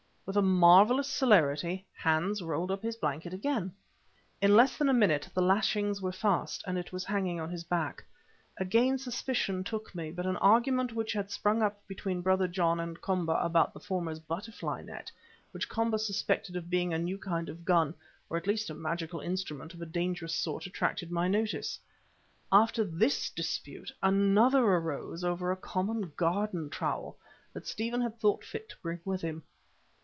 With a marvellous celerity Hans rolled up his blanket again. In less than a minute the lashings were fast and it was hanging on his back. Again suspicion took me, but an argument which had sprung up between Brother John and Komba about the former's butterfly net, which Komba suspected of being a new kind of gun or at least a magical instrument of a dangerous sort, attracted my notice. After this dispute, another arose over a common garden trowel that Stephen had thought fit to bring with him.